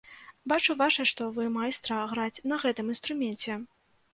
Бачу, ваша, што вы майстра граць на гэтым інструменце.